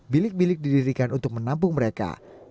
bilik bilik didirikan untuk menampung mereka